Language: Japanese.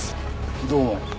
どうも。